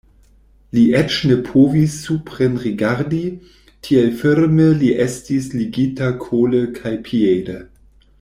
Li eĉ ne povis suprenrigardi, tiel firme li estis ligita kole kaj piede.